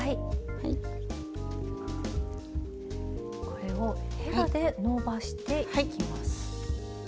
これをヘラでのばしていきます。